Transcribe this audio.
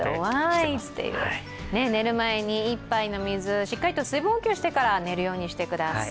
寝る前にいっぱいの水、しっかりと水分補給してから寝るようにしてください。